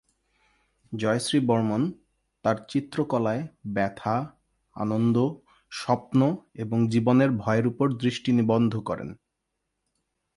জয়শ্রী বর্মণ, তার চিত্রকলায় ব্যথা, আনন্দ, স্বপ্ন এবং জীবনের ভয়ের উপর দৃষ্টি নিবদ্ধ করেন।